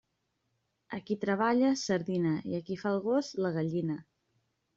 A qui treballa, sardina, i a qui fa el gos, la gallina.